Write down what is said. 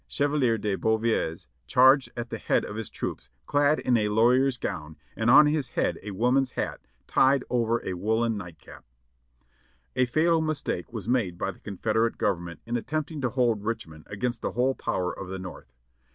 Chevalier de Beauvilliers, charged at the head of his troops clad in a lawyer's gown and on his head a woman's hat tied over a woolen night cap. A fatal mistake was made by the Confederate Government in at tempting to hold Richmond against the whole power of the North.